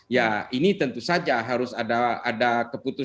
ya ini tentu saja harus ada kondisi dan prosesrage pada kelompok teror